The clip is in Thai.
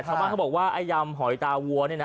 แต่สามารถเขาบอกว่าไอ้ยำหอยตาวัวเนี่ยนะ